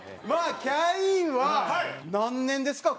キャインは何年ですか？